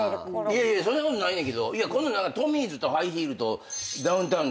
いやいやそんなことないねんけど今度トミーズとハイヒールとダウンタウンでみたいな話。